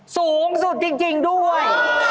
สูงสุดจริงด้วย